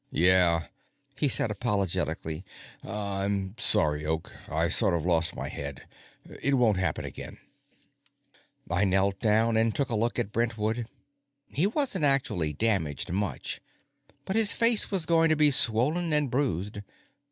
"Yeah," he said apologetically. "I'm sorry, Oak. I sort of lost my head. It won't happen again." I knelt down and took a look at Brentwood. He wasn't actually damaged much, but his face was going to be swollen and bruised.